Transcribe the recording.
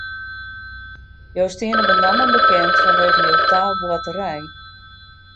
Jo steane benammen bekend fanwege jo taalboarterij.